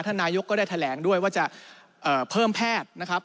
นายกก็ได้แถลงด้วยว่าจะเพิ่มแพทย์นะครับ